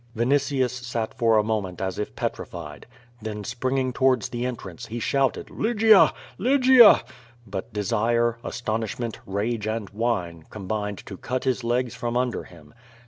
Vinitius sat for a moment as if petrified. Then, springing towards the entrance, he shouted: "Lygia! Lygia!" But desire, astonishment, rage, and wine, combined to cut his legs from under Iiim.